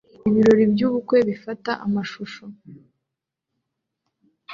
Ibirori by'ubukwe bifata amashusho